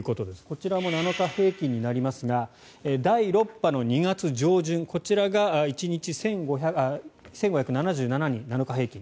こちらも７日平均になりますが第６波の２月上旬こちらが１日１５７７人７日平均。